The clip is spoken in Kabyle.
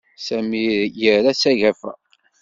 Sami yerra s agafa.